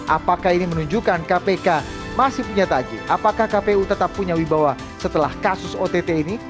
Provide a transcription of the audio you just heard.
apakah ini menunjukkan kpk masih punya taji apakah kpu tetap punya wibawa setelah kasus ott ini